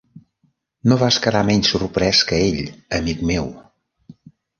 No vas quedar menys sorprès que ell, amic meu.